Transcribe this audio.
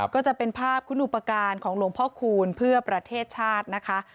ก็จะเป็นภาพคุณอุปการณ์ของหลวงพ่อคูณเพื่อประเทศชาตินะคะ